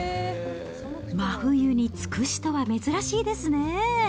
真冬につくしとは珍しいですね。